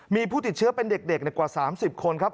มีผู้ติดเชื้อเป็นเด็กกว่า๓๐คนครับ